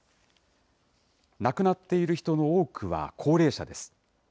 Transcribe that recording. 亡くなっている人の多くは高齢者です。